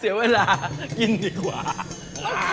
เสียเวลากินดีกว่า